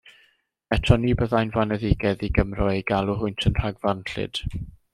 Eto ni byddai'n foneddigaidd i Gymro eu galw hwynt yn rhagfarnllyd.